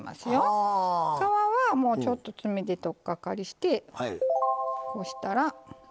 皮はちょっと爪でとっかかりしてこうしたら。